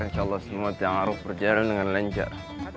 insyaallah semua ta'aruf berjalan dengan lancar